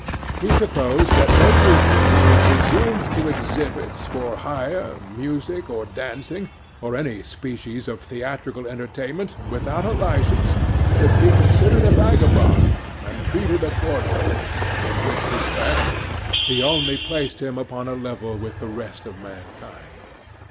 He proposed that every flea who presumed to exhibit, for hire, music, or dancing, or any species of theatrical entertainment, without a licence, should be considered a vagabond, and treated accordingly; in which respect he only placed him upon a level with the rest of mankind.